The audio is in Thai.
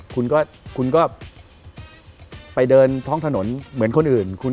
คุณก็ไปเดินท้องถนนเหมือนคนอื่น